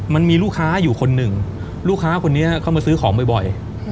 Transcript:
มันมีลูกค้าอยู่คนหนึ่งลูกค้าคนนี้เข้ามาซื้อของบ่อย